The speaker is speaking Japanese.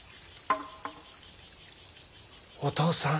お父さん。